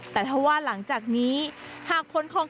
แต่ถ้าว่าหลังจากนี้หากผลของ